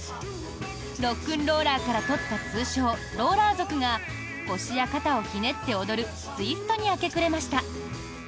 ロックンローラーから取った通称・ローラー族が腰や肩をひねって踊るツイストに明け暮れました。